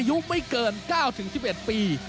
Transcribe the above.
ชุดอายุไม่เกิน๙ถึง๑๑ปี